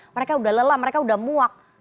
mereka udah lelah mereka udah muak